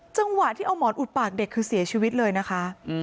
จังหวะที่เอาหมอนอุดปากเด็กคือเสียชีวิตเลยนะคะ